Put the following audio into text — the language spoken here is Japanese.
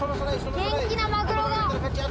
元気なマグロが。